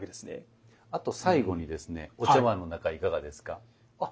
あと最後にですねお茶碗の中いかがですか。